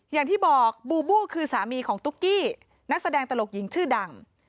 อย่างที่บอกบูบูคือสามีของตุ๊กกี้นักแสดงตลกหญิงชื่อดัง